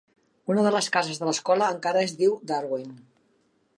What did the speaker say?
Una de les cases de l'escola encara es diu Darwin.